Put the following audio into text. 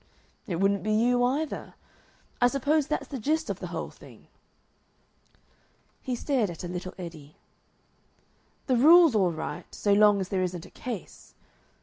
"It wouldn't be you either. I suppose that's the gist of the whole thing." He stared at a little eddy. "The rule's all right, so long as there isn't a case.